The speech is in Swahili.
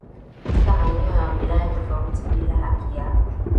katika maeneo na wilaya tofauti bila haki ya